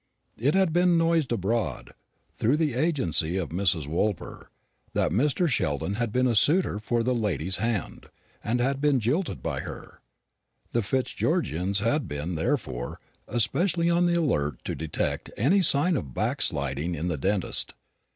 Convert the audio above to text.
It had been noised abroad, through the agency of Mrs. Woolper, that Mr. Sheldon had been a suitor for the lady's hand, and had been jilted by her. The Fitzgeorgians had been, therefore, especially on the alert to detect any sign of backsliding in the dentist.